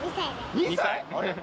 ２歳。